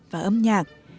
và âm nhạc